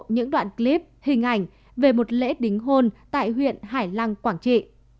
những đoạn clip hình ảnh về một lễ đính hôn tại huyện hải lăng quảng trị